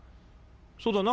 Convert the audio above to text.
そうだな？